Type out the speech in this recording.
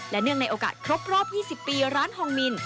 และเนื่องในโอกาสครบรอบ๒๐ปีร้านฮองมิน